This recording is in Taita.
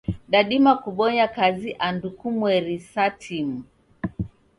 Dadima kubonya kazi andu kumweri sa timu.